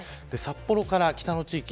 札幌から北の地域